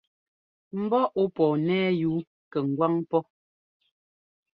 Mbɔ́ ɔ́ pɔɔ nɛ́ yú kɛ ŋgwáŋ pɔ́.